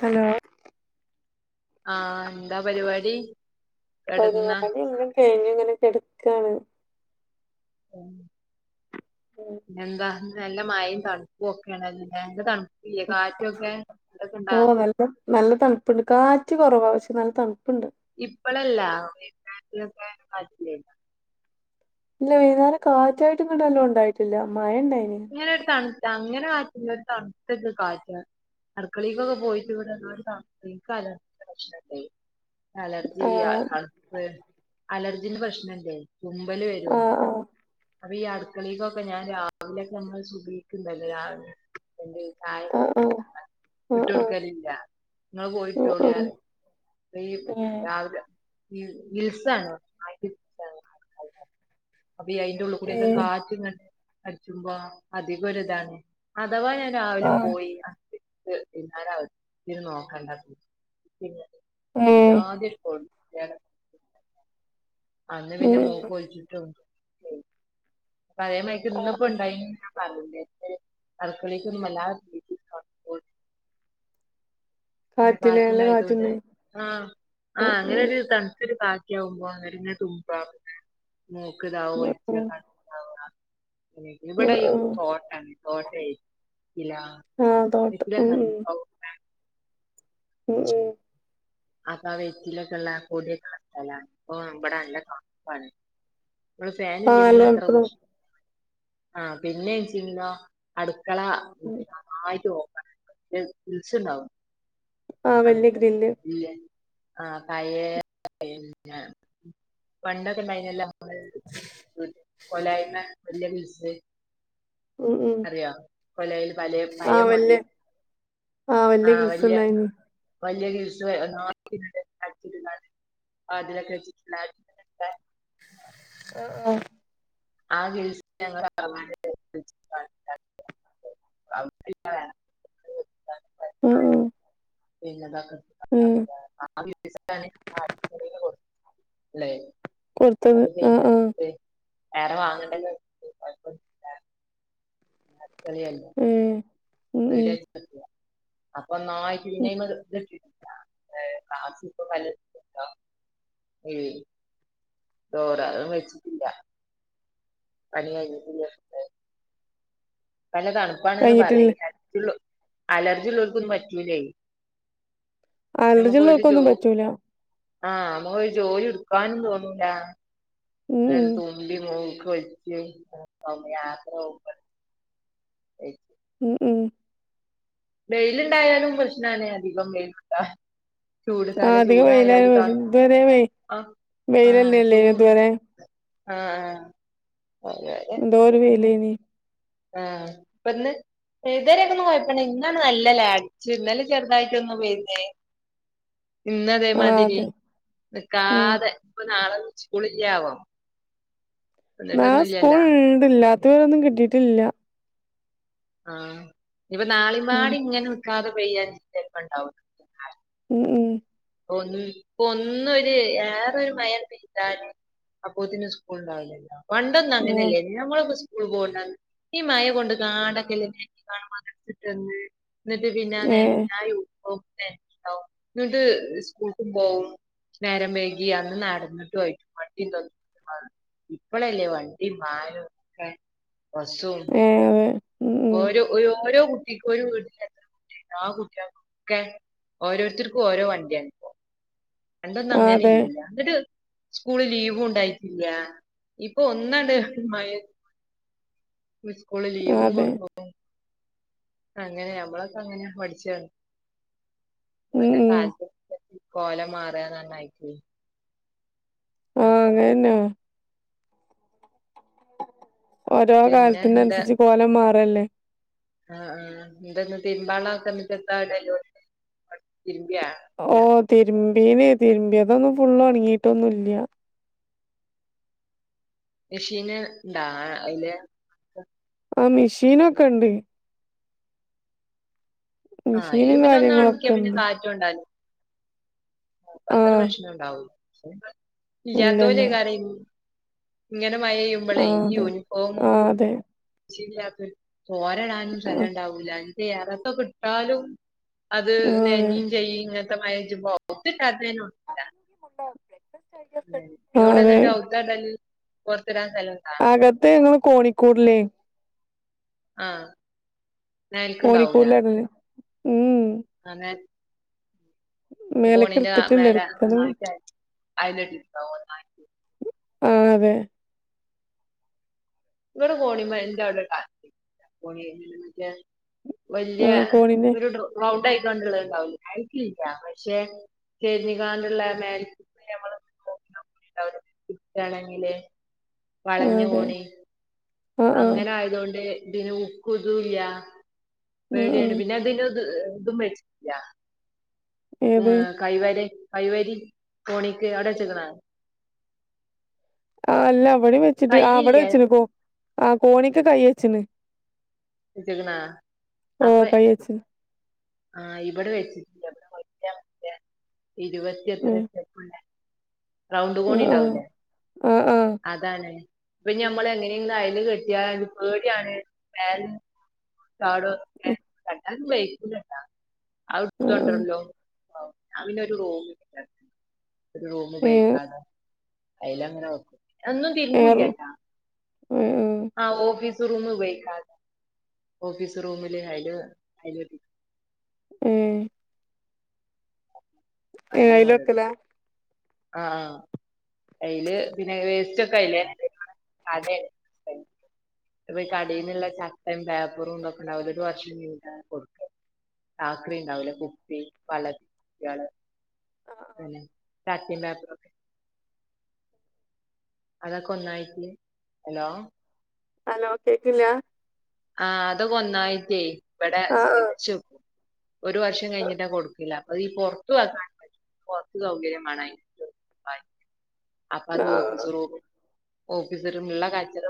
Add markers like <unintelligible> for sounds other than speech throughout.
Hello ആ എന്താ പരിപാടി കെടന്നാ പരിപാടി ഇങ്ങനെ കഴിഞ്ഞു ഇങ്ങനെ കിടക്കണ് യെ എന്താ നല്ല മഴയും തണുപ്പും ഒക്കെ നല്ലല്ലേ തണുപ്പും <unintelligible> ഓ നല്ല നല്ല തണുപ്പുണ്ട് കാറ്റ് കുറവ പക്ഷെ നല്ല തണുപ്പുണ്ട് ഇപ്പളല്ല വെയ്ക്കുനേരത്തിലൊക്കെ കാറ്റ് ല്ലായിരുന്നോ ഇന്ന് വൈകുന്നേരം കാറ്റായിട്ട് എങ്ങണ്ട് നല്ലോം ഇണ്ടായിട്ടില്ല മഴ ഇണ്ടായിരുന്നു ഇങ്ങനെ ഒരു തണുത്ത അങ്ങനെ കാറ്റില്ല ഒരു തണുത്ത ഒരു കാറ്റാ അടുക്കളിക്കൊക്കെ പോയിട്ട് ഇവിടൊ എന്ധോരു തണുപ്പ് ഇക്ക് അലർച്ചിന്റെ പ്രശ്നണ്ട് അലർജിയാ ആഹ് തണുപ്പ് അലർജിന്റെ പ്രശ്നണ്ട് തുമ്മല് വരും ആഹ് അപ്പൊ ഈ അടുക്കളക്കൊക്കെ ഞാൻ രാ വിലൊക്കെ നമ്മൾ സുബിഹിക്ക് ഇണ്ടല്ലോ രാവിലെ യെന്ദ് ചായക്കെ ആഹ് ആഹ് കുടിച്ക്കണ്ട് ഇട്ട് ആഹ് ആഹ് ആഹ് കൊടുക്കലില്ല നിങ്ങൾ പോയി ആഹ് ഇട്ടോളി ആഹ് പറിമ് ഈ ഏഹ് രാവിലെ മ് ഗിൽസാണ് ഒന്നായിട്ട് ഗിൽസാണ്അടുക്കളന്റെ അവിടെ അപ്പഇ അയിന്റെ ഉളളി കൂടിക്കെ ഏഹ് കാറ്റ് ഇങ്ങനെ അടിച്ചുമ്പോ അധികം ഒരു ഇതാണ് അഥവാ ഞാൻ രാവിലെ ആഹ് പോയി അ <unintelligible> ക്ക് പിന്നാല <unintelligible> നോക്കണ്ട പിന്ന ഏഹ് ഒരിച്ചാതി ഒരു പോർതെ ണ് അന്ന് പിന്നെ ഉം മൂക്കൊലിചിട്ടും അപ്പൊ അതേ മയക്ക് ഇന്ന് ആഹ് ഇപ്പോ ഉണ്ടായി ന്ന പറിണ്ട് അടുക്കളിക്കന്നും വല്ലാദേ <unintelligible> പിന്നെ കാറ്റില്ലേ നല്ല കാറ്റിണ്ടായതോണ്ട് കാറ്റുണ്ട് ആ അ ആഹ് അങ്ങനെ ഒരു ഉം തണുത്ത ഒരു കാറ്റ് ആവുമ്പോ എന്നിട്ട് ഇങ്ങെ തുമ്പാ <unintelligible> മൂക്ക് താവ ആഹ് ഒലിച്ച ഉം കണ്ണ് താവ ഇവിടെ ഈ ആഹ് ഉം തോട്ടാണ് തോട്ടെയ് ഇല ആഹ് തോട്ടം ഉം ഉം <unintelligible> ഉം ഉം അപ്പാ വെറ്റിലൊക്കെള്ള കൊട്യക്കള്ള സ്ഥലാണ് ഇപ്പൊ ഇബടെ നല്ല തന്നുപ്പാണ് ഇമ്മള് ആഹ് ഫാനില്ലെങ്കിലും നല്ല അത്ര തണുപ്പ് <unintelligible> ആ പിന്നേ ണ്ച്ചെങ്കിലോ അട് ക്കള <unintelligible> ആഹ് വെല്ല്യ ഗ്രില്ല് ആ കയേ <unintelligible> പണ്ടൊക്കെ ഇണ്ടായിന്നല്ലോ <unintelligible> കൊലായ്മ വല്യ മിസ്സ് ഉം ഉം അറിയോ കൊലായില് വലേ പയേ ആഹ് മോഡല വല്യ ആഹ് ആ കിൽസ് വല്യ ഉണ്ടായിനി വല്യേ <unintelligible> <unintelligible> വാതിലൊക്കെ വെച്ചിട്ട് <unintelligible> ആ ആ ആ <unintelligible> <unintelligible> <unintelligible> ആഹ് ഉം പിന്നെന്താണ് <unintelligible> ന <unintelligible> കൊടുത്തത് ആ ആ വേറെ വാങ്ങണ്ടല്ലോ <unintelligible> ഉ <unintelligible> ഉം ഉം <unintelligible> ഒന്നായ്റ്റ് ഉം ഇഞ്ഞയ്മത് <unintelligible> <unintelligible> ഉം ഡോറ അത് വെച്ചിട്ടില്ല പണി കയ്ഞ്ഞിട്ടില്ല <unintelligible> ഇപ്പല്ല തണുപ്പാണ്ന്ന് പ കഴിഞ്ഞിട്ടില്ല <unintelligible> അലർജി ഉള്ളോര്ക്കൊന്നും പറ്റൂലെയ് അലർജി ഉള്ളോർക്ക് ഒന്നും പറ്റൂല ആ നമുക്ക് ഒരു ജോലി ഇട്ക്കാനും തോന്നൂല ഉം <unintelligible> ഉം തുമ്പി മൂ ക്കൊൽച്ച് <unintelligible> യാത്ര പോവുമ്പ <unintelligible> ഉം ഉം വെയില്ണ്ടായാലും പ്രശ്നാണ് അധികം വെയിലുണ്ട ചൂട് ആ കാല അധികം വെയിലായ ചൂടായാലും ത ഇതുവരെ വെ ആഹ് വെയിലല്ലേല്ലേ ഇതുവരെ ആ ആ എന്തോരം വെയിലേനി ആ ഇപ്പന്ന് ഏ ഇത് വരെന്നും കൊയപ്പ <unintelligible> ഇന്നാണ് <unintelligible> അടിച്ചു ഇന്നാലും ചെറുതായിട്ടൊന്ന് ചെയ്തീന് <unintelligible> ഇന്ന് ആഹ് അതേമാതിരി അതെ ഉം നിക്കാതെ ഇപ്പൊ നാളെന്നും സ്കളില്യേ ആവോ നാളെ സ്കൂൾ ഇണ്ട് ഇല്ലാത്ത <unintelligible> ന്നും കിട്ടീട്ടില്ല ആ ഇഞ്ഞ് ഇപ്പൊ ഉം നാളിമ്പാടി ഇങ്ങനെ നിക്കാതെ പെയ്യാച്ച ചെലപ്പ ഉണ്ടാ <unintelligible> ഉം ഒന്ന് ഇപ്പ ഒന്നൊര് ഏറെരു മയണ്ട് പെയ്താലും അപ്പോത്തിന് സ്കൂൾ ഉണ്ടാവൂലല്ലോ പണ്ടൊന്നും ആഹ് അങ്ങനല്ലേ ന്ന് ഞങ്ങളെക്കെ സ് ക്കൂൾ പോണന്ന് ഈ മയ കൊണ്ട് ക്കാണ്ട <unintelligible> ഇന്നിട്ട് പിന്നെ <unintelligible> ഏഹ് ഇന്നിട്ട് സ്കൂൾക്കും പോവും നേരം വെയ്കി അന്ന് നടന്നിട്ടു <unintelligible> ഇപ്പളല്ലേ വണ്ടിം വാഹനൊക്കെ വസ്സും ഏഹ് അതെ ഉം ഉം ഓരോ ഒര് ഓരോ കുട്ടിക്കും ഒരു വീടി <unintelligible> ആ കുട്ടികൾ ഒക്കെ ഓരോരുത്തർക്കും ഓരോ വണ്ടിയാണ് ഇപ്പോ പണ്ടൊന്നും ആഹ് അങ്ങന അതെ ഇല്ലല്ല എന്നിട്ട് സ്കൂള് ലീവും ഉണ്ടായിട്ടില്ല ഇപ്പൊ ഒന്നാണ്ട് മ സ്തൂളിൽ ആഹ് ലിവും കൊടുക്കും അതെ ക്കും അങ്ങനെ നമ്മളൊക്കെ അങ്ങനെ പഠിച്ചു ഉം ഓരേ ഉം കാഴ് കോലം മാറ നന്നായിട്ട് ആഹ് അങ്ങനെന്നെ ഓരോ പിന്നെ കാലത്തിന്റെ അനുസരിച്ച് കോലം മാറല്ലേ ആഹ് ആ എന്തന്ന തിരുമ്പാളക്കന്നിട്ട എന്താണ്ടല്ലോ ഓ തിരുമ്പീനെ തിരുമ്പി അതൊന്നും ഫുള്ള് ഒണങ്ങീട്ടൊന്നും ഇല്ല മെഷീന് ഇണ്ടാ അതില് ആ മെഷീനൊക്കെ ഇണ്ട് ആഹ് അതില് മെഷീനും പിന്നെ ഒന്ന് ഉണക്കിയ കാര്യങ്ങളൊക്കെ പിന്നെ ഇണ്ട് കാറ്റ് കൊണ്ടാലും മതി അത്ര ആഹ് പ്രശ്നം ഉണ്ടാവൂ ഇല്ലല്ല ഇല്ലാത്തോര് കര ഇങ്ങനെ മഴ പെയ്യുമ്പോഴേ ആഹ് ഈ അതെ യൂണിഫോമും ആഹ് അതെ ഇടാനും സ്ഥലം ആഹ് ഉണ്ടാവില്ല എറയത്തൊക്കെ ഇട്ടാലും അത് ആഹ് അതെ നനയൊ ചെയ്യും ജ ബോത്ത കാത ന <unintelligible> ആഹ് എവിടെ അതെ എന്നിട്ട് ഔത്താറ അകത്ത് ഞങ്ങള് കോണിക്കൂറല്ലേ <unintelligible> ആഹ എനിക്ക് ഇണ്ടാവൂല കോണിക്കൂടിലാ ഇടല് ഉം അങ്ങനെ മേലക്ക് കോണിന്റെ എടുത്തിട്ടില്ല മേലെ എടുക്കണം നന്നായിട്ട് അഴയിട്ടിട്ട് ആ അതെ ഇവിടെ കോണിമ്മ എന്ത അവിടെണി മറ്റ <unintelligible> വലിയ ആഹ് കോണിന്റെ ഒരു റൗണ്ടായി ണ്ട ആയിരിക്കില്ല പക്ഷെ ചരിഞ്ഞികാണ്ടുള്ള <unintelligible> അവാണെങ്കില് <unintelligible> ആഹ് വളഞ്ഞ അതെ കോണി ആഹ് ആഹ് അങ്ങനെ ആയത് കൊണ്ട് പിന്നെ ഉക്കു ദൂല് ആഹ് പേടിയാണ് ആഹ് പിന്നെ അത് ഇത് മേടിച്ചിട്ടില്ല ഏത് കൈവര കൈവരി കോണിക്ക് അവിടെ വെച്ചക്കണ ആ അല്ല അവിടെയും വെച്ചിട്ട് ആ അവിടെ കയ്യില്ലേ വെച്ചിന് കോ ആ കോണിക്ക് കൈ വച്ചിന് ണാ അപ്പൊ കൈ വെച്ചിന് ആ ഇവിടെ വെച്ച ഇരുപത്തി എത്ര ഉം റൗണ്ട് കോണി ആഹ് ആഹ് ഉണ്ടാവൂലേ ആഹ് ആഹ് അതാണ് പിന്നെ ഞമ്മൾ എങ്ങനെങ്കിലും അയല് കെട്ടിയ പേടിയാണ് ക്ക ആഹ് അത്തണ്ടരല്ലോ <unintelligible> ഞാൻ പിന്ന ഒരു റൂം ഒരു റൂം ഏഹ് ഉപയോഗിക്കാണ്ട് അയ്ലങ്ങന അന്നും ഏഹ് തിരുമ്പൂല്ലട്ടാ ഏഹ് ആ ഒ ബി ഓഫീസ് റൂമ് ഉപയോഗിക്കാൻ ഓഫീസ് റൂമിൽ അതിൽ ഉം ഏ ഇലോക്കല്ല <unintelligible> ആ ആ അതില് പിന്നെ വേസ്റ്റ് ഒക്കെ അയില്ലേ അതെ ശരി ഇപ്പൊ ഈ കടന്നുള്ള ചട്ടയും പേപ്പറും ഇതൊക്കെ ഉണ്ടാവലൊരു വർഷത്തില കൊടുക്ക ആക്രി ഉണ്ടാവൂലെ കുപ്പി വള പിന്നെ <unintelligible> അതൊക്കെ ഒന്നായിട്ട് ഹലോ ഹലോ കേക്കില്ല ആഹ അതൊക്കെ ഒന്നായിട്ടേ ഇവിടെ ആഹ് വചു ഒരു വർഷം കഴിഞ്ഞിട്ടാ കൊടുക്കില്ല അപ്പൊ ഈ പുറത്തു വക്കാൻ പുറത്ത് സൗകര്യമാണം. അ അപ്പ അത് ഓഫീസ് ആഹ് റൂം ഓഫീസിലുള്ള കാ്ചറ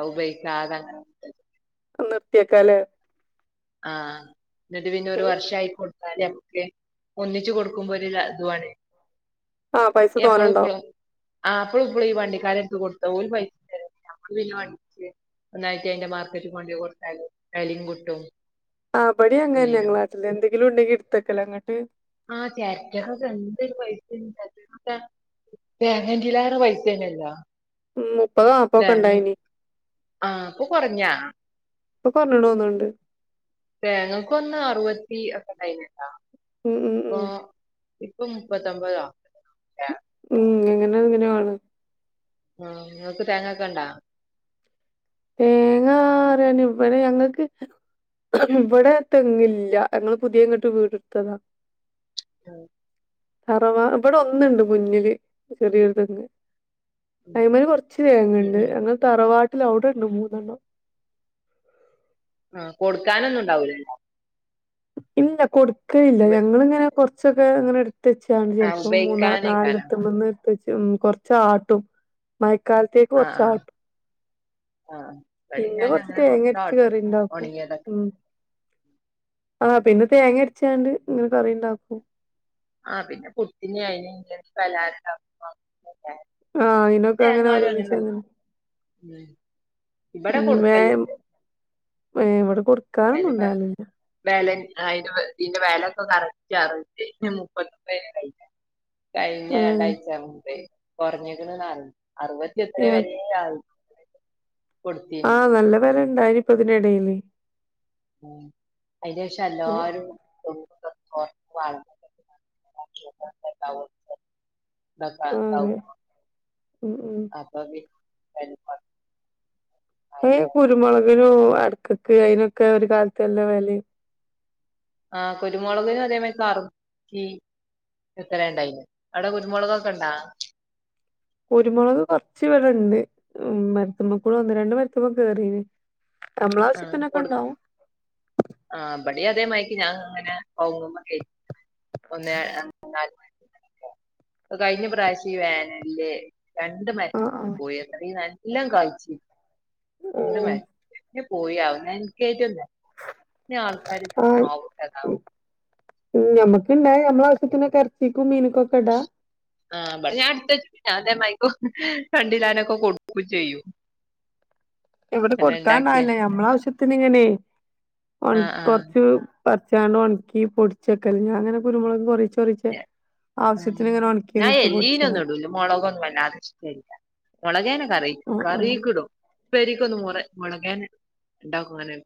ഔ ഉപയോഗിക്കാതെ അങ്ങനെ ഇട്. നിർത്തിക്ക അല്ലേ ആഹ എന്നിട്ട് പിന്നെ വർഷ ആയിക്കോട്ട എന്നാല് നമുക്ക് ഒന്നിച്ചു കൊടുക്കുമ്പോ ഒരു ത്വ്ണൊ ആഹ പൈസ തോന്നണ്ടാവു ആഹ്പ്പഴും ഇപ്പോള ഈണ്ടിക്കാർ എടുത്ത് കൊടുത്ത ഒല് പൈസ ഞ പിന്നെ വണ്ടി വിളിച്ച് ഒന്നായിട്ട് അതിന്റെ മാർക്കറ്റിൽ കൊണ്ടൊ കൊടുത്താൽ വലിയും കിട്ടും. ആ പടി അങ്ങന ന്നെ ഇതിനോ ഞങ്ങളാട്ട എന്തെങ്കിലും ഉണ്ടെങ്കിൽ ഇടുത്തക്കലോ ഇനട് ആഹ ചരടക്കൊക്ക എന്തരു പൈസ ച തേങ്ങ ന്തിലൊറൊ പൈസേണല്ലോ അപ്പ ല്ലേ അപ്പൊക്കെ ഉണ്ടായിനി ആഹ് ഇപ്പൊ കൊറഞ്ഞാ ഇപ്പൊ കുറഞ്ഞി തോന്നുണ്ട് തേങ്ങൾക്ക് ഒന്ന് അറുപത്തി ഒക്കെ ഉണ്ടയിന് ഉം ഉം ഉം ഇപ്പൊ മുപ്പത്തി അമ്പത് ആ ഉം അങ്ങനെ അങ്ങനെയാണ്. ആഹ നിങ്ങൾക്ക് തേങ്ങക്കെ ഇണ്ടാ തേങ്ങാറാണ് ഇവിടെ ഞങ്ങൾക്ക് ഇല്ല ഇവിടെ തെങ്ങില്ല ഞങ്ങള്ൾ പുതിയ ഇങ്ങോട്ട് വീടെടുത്തതാ. ആഹ തറവാ ഇവിടെ ഒന്നുണ്ട് മുഞ്ഞില് ചെറിയൊരുതങ്ങ്. ഉം ഐമല് കുറച്ച് തേങ്ങ ഉം ഉണ്ട് ഉം. ഞങ്ങളെ തറവാട്ടില അവിടെട് രണ്ടുമൂന്നെണ്ണം ആ കൊടുക്കാനൊന്നും ഉണ്ടാവൂലോ? ഇല്ല കൊടുക്കല്ല ഞങ്ങിങ്ങനെ കൊറച്ചൊക്കെ അങ്ങനെ എടു ഇത്തച്ചാണ് ആഹ് ചിലപ്പോം മൂന്ന ഉപയോഗിക്കാനേക്കാരം നാലത്തുമ വന്ന് ഇത്തച്ച കൊറച്ചാട്ടും മ ക്കാലത്തേക്ക് ആഹ് കുറച്ച് ആഹ് ആടും ആഹ് ഇവടിം പിന്നെ ഞാൻ കൊറച്ച് അങ്ങനെ തേങ്ങ അരച്ച് കൊടുത്താട്ടും കറിണ്ടാക്കും ഒണങ്ങിയതൊക്കെ ഉ <inaudible> ആഹ പിന്നെ തേങ്ങ അരിച്ചണ്ട് ഇങ്ങനെ കറിണ്ടാക്കും. ആഹ പിന്നെ പുട്ടിനെ അയി പിന്നെ സലാഡ് ഉണ്ടാക്കുമ്പോൾ ആഹ ഇതിനൊക്കെ അങ്ങനെോ ഓരോ നിശ്ച ഇവിടെ കൊടുകൽല്ണ്ട്. എവിടെ കൊടുക്കാനൊന്നുണ്ടാവില്ലില്ല. ആ ഇ ഇതിന്റെ വിലയൊക്കെ കറക്റ്റ്റിഞ്ഞട്ട് മുപ്പത്തൊപ്പയി. കഴിഞ്ഞ ഉം രണ്ടാഴ്ച് മുപ് കുറഞ്ഞിക്ക്ണ് അറുപത്തിയ എത്ര വല ആ ആഹ നല്ല വില ഇണ്ടായിനിപ്പ ഇതി ഇടയില്. ഉ അതി ശേഷം ഓഹ് എല്ലരും <unintelligible> <unintelligible> ആഹ് അതെ <unintelligible> ഉം ഉം അപ്പ പിന്നെ <unintelligible> ഏ കുരുമുളകിനും അടക്കക്ക് അതിനൊക്കെ ഒരു കാലത്ത് നല്ല വില ആഹ കുരുമുളക്നും. അതേ മ കറി എത്ര ഉണ്ടായിന് അവിടെ കുരുമുളകൊക്കെ ഇണ്ടാ? കുരുമോളക് കോർച്ച് ഇവിടെണ്ട് മര്ത്ത്മ്മക്കൂടെ ഒന്ന് രണ്ട് മര്ത്ത്മ്മെ കേറീന് നമ്മളെ ആഹ് ആവശ്യത്തിനൊക്കെ കൊട് ഇണ്ടാവും ആഹ് ഇബടി അതേ മായ്ര്ക്ക് ഞാൻ അങ്ങനെ കവ്ങ്ങുമ്മെ കേ ഒന്നെ രണ്ട് മൂന്നാലെണ്ണം കയിഞ്ഞ പ്രാവശ്യം ഈ വേനൽല്ല് രണ്ട് മരം ആഹ് ആഹ് പോയി അത്രേം നല്ലോണം കായ്ച്ചീനി ണ്ട് ഉം മരം എങ്ങനെ പോയി ആവോ നൻക്കേറ്റൊന്നു അല്ല <unintelligible> ഞമ്മക്ക് ഇണ്ടായ നമ്മളെ ആവശ്യത്തിന് എർച്ചിക്കും മീനിക്കും ഒക്കെ ഇടാ ആഹ് ഇബടെ ഞാൻ ഇട്ത്ത ഞാൻ ഇതേമാരിക്കും രണ്ടിലാനൊക്കെ കൊടുക്കും ചെയ്യും. ഇവടെ പിന്നെ ഇണ്ടാക്കിയ കൊടുക്കാണ്ടാവലില്യേ ഞമ്മളെ ആവശ്യത്തിന് ഇങ്ങനെ ഒണ ആഹ് ആഹ് കൊർച്ചു പർച്ചാണ്ട് ഒൺക്കി പൊടിച്ചെക്കലാ ഞാങ്ങനെ കുരുമുളക് കൊർ കോറീചേ ഞ ആഹ് ആവശ്യത്തിന് ഇങ്ങനെ ഒണക്കി ഞാൻ അയ്ന്ന് ഇട്ത്ത് പൊടിച്ചലാ എല്ലീനൊന്നും ഇടൂല മോളെകേനെ കറി ആഹ് ആഹ് കറീക്ക്ടും ഉപ്പേരിക്കൊന്നും മുള മോളകേനെ <unintelligible>